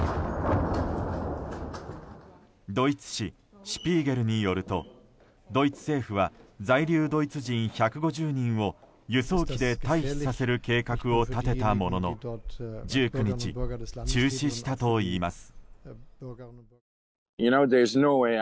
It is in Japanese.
ドイツ誌「シュピーゲル」によるとドイツ政府は在留ドイツ人１５０人を輸送機で退避させる計画を立てたものの１９日、中止したといいます。